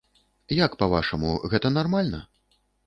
Як па-вашаму, гэта нармальна?